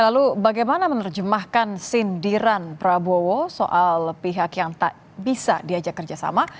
lalu bagaimana menerjemahkan sindiran prabowo soal pihak yang tak bisa diajak kerjasama